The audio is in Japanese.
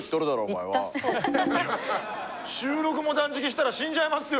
いや週６も断食したら死んじゃいますよ。